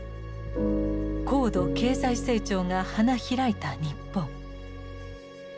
高度経済成長が花開いた日本。